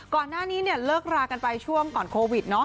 ก่อนหน้านี้เนี่ยเลิกรากันไปช่วงก่อนโควิด